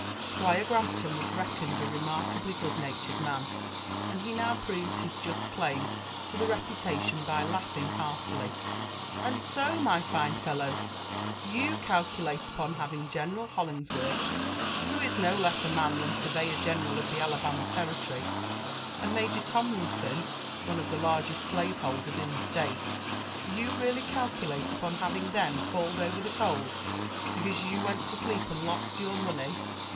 Squire Grampton was reckoned a remarkably good natured man, and he now proved his just claim to the reputation by laughing heartily. '^And so, my Gne fellow, you calculate upon having General Hol ^ ing^worth, who. is no less a man than surveyor^general of the Alabama territory, and Major Tomlinson, ooeof the largest slave holders in the State, ^you really calculate upon having them called over the coals, because you went to sleep and lost your money?